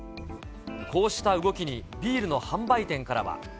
こうした動きにビールの販売店からは。